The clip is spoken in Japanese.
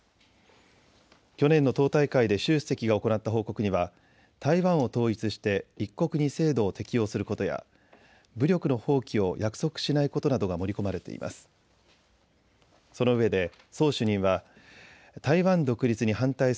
去年の党大会で習主席が行った報告には台湾を統一して一国二制度を適用することや武力の放棄を約束しないことなどが盛り込まれています。